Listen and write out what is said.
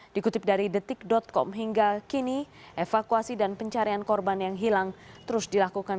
dikutip dari detik com hingga kini evakuasi dan pencarian korban yang hilang terus dilakukan